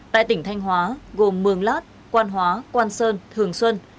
tại tỉnh thanh hóa gồm mường lát quan hóa quan sơn thường xuân